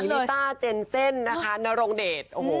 คุณศรีริต้าเจนเซ่นนะคะนโรงเดต